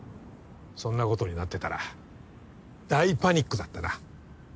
そんなことになってたら大パニックだったな。